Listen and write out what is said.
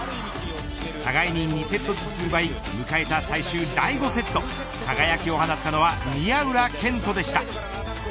互いに２セットずつ奪い迎えた最終第５セット輝きを放ったのは宮浦健人でした。